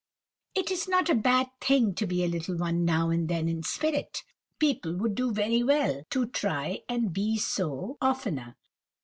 It is not a bad thing to be a "little one" now and then in spirit. People would do well to try and be so oftener.